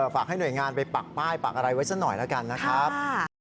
ฝากให้หน่วยงานไปปักป้ายปักอะไรไว้ซะหน่อยแล้วกันนะครับ